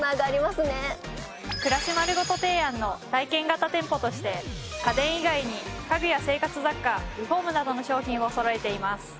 暮らしまるごと提案の体験型店舗として家電以外に家具や生活雑貨リフォームなどの商品をそろえています。